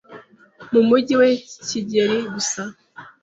mu Mujyi we Kigeli guse